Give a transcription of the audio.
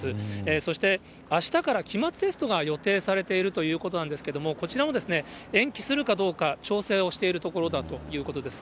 そしてあしたから期末テストが予定されているということなんですけども、こちらも延期するかどうか、調整をしているところだということです。